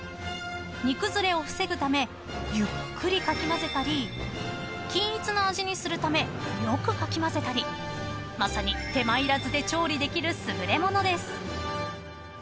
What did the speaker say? ［煮崩れを防ぐためゆっくりかき混ぜたり均一な味にするためよくかき混ぜたりまさに手間いらずで調理できる優れものです］